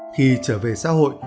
khi trở về xã hội